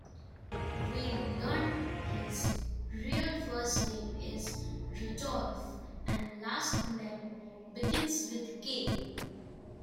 We learn his real first name is "Rudolph", and last name begins with "K".